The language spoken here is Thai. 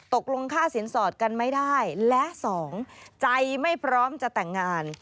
ตกลงค่าสินสอดกันไม่ได้และสองใจไม่พร้อมจะแต่งงาน